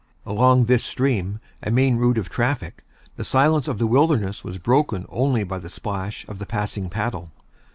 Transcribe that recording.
Along this stream, a main route of traffic, the silence of the wilderness was broken only by the splash of the passing paddle.